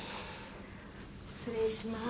失礼します。